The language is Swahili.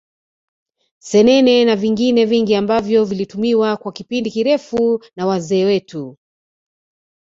Senene na vingine vingi ambavyo vilitumiwa kwa kipindi kirefu na wazee wetu